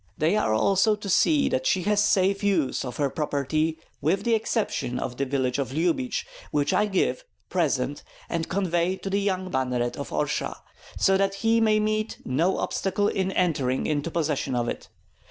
"They are also to see that she has safe use of her property with the exception of the village of Lyubich, which I give, present, and convey to the young banneret of Orsha, so that he may meet no obstacle in entering into possession of it.